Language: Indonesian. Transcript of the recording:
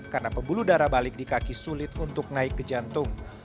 karena pembuluh darah balik di kaki sulit untuk naik ke jantung